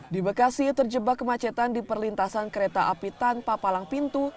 di bekasi terjebak kemacetan di perlintasan kereta api tanpa palang pintu